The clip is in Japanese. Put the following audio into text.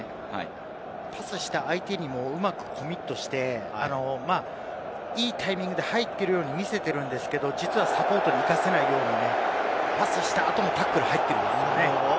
パスした相手にもうまくコミットしていいタイミングで入っているように見せてるんですけれども、実はサポートに行かせないようにパスした後のタックル、入っているんですよね。